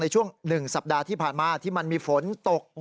ช่วง๑สัปดาห์ที่ผ่านมาที่มันมีฝนตก